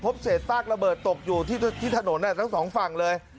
เศษซากระเบิดตกอยู่ที่ถนนทั้งสองฝั่งเลย